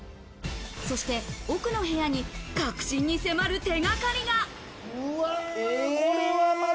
そして奥の部屋に核心に迫る手掛かりが。